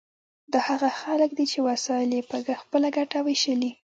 دا هغه خلک دي چې وسایل یې په خپله ګټه ویشلي.